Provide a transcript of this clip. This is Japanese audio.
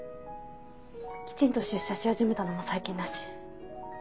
きちんと出社し始めたのも最近だし。